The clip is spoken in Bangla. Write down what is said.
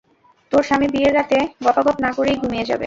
তোর স্বামী বিয়ের রাতে, গপাগপ না করেই ঘুমিয়ে যাবে।